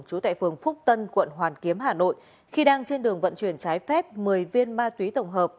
trú tại phường phúc tân quận hoàn kiếm hà nội khi đang trên đường vận chuyển trái phép một mươi viên ma túy tổng hợp